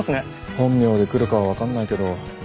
本名で来るかは分かんないけど。